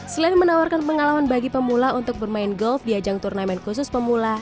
selain menawarkan pengalaman bagi pemula untuk bermain golf di ajang turnamen khusus pemula